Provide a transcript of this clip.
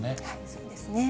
そうですね。